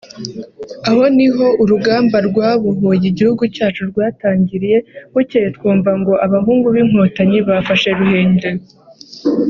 Aha niho urugamba rwabohoye igihugu cyacu rwatangiriye bucyeye twumva ngo abahungu b’Inkotanyi bafashe Ruhenger